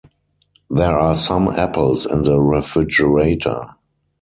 There are some apples in the refrigerator.